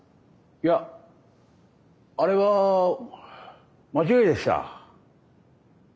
いやあれは間違いでした。